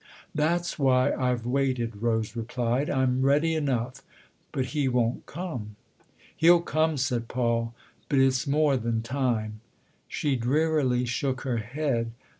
"That's why I've waited," Rose replied. "I'm ready enough. But he won't come." " He'll come," said Paul. " But it's more than time." She drearily shook her head.